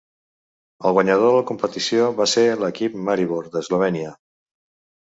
El guanyador de la competició va ser l'equip Maribor, d'Eslovènia.